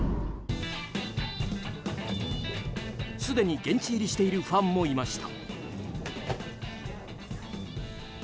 すでに現地入りしているファンもいました。